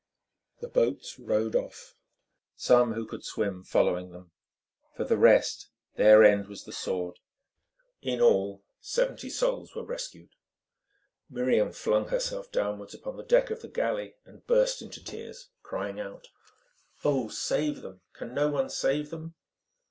The boats rowed off, some who could swim following them. For the rest, their end was the sword. In all, seventy souls were rescued. Miriam flung herself downwards upon the deck of the galley and burst into tears, crying out: "Oh! save them! Can no one save them?"